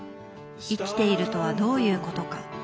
「生きているとはどういうことか」